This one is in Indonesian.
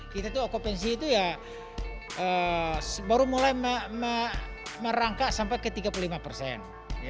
kita tuh okupansi itu ya baru mulai merangkak sampai ke tiga puluh lima persen